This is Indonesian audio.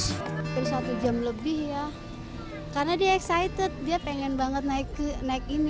hampir satu jam lebih ya karena dia excited dia pengen banget naik ini